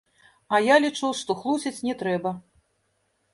А я лічу, што хлусіць не трэба.